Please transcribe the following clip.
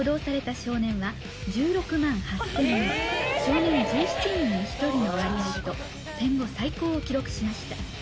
少年１７人に１人の割合と、戦後最高を記録しました。